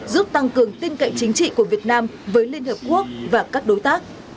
giúp tăng cường tin cậy chính trị của việt nam với liên hợp quốc và các đối tác